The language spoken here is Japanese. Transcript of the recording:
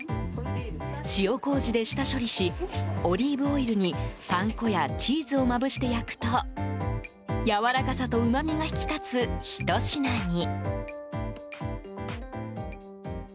塩こうじで下処理しオリーブオイルにパン粉やチーズをまぶして焼くとやわらかさと、うまみが引き立つひと品に。